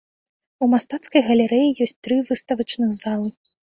У мастацкай галерэі ёсць тры выставачных залы.